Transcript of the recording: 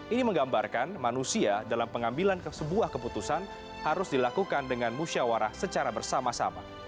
ini menggambarkan manusia dalam pengambilan sebuah keputusan harus dilakukan dengan musyawarah secara bersama sama